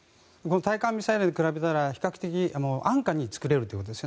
対艦ミサイルに比べたら比較的安価に作れるということです。